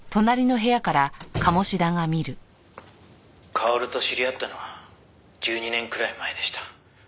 「薫と知り合ったのは１２年くらい前でした」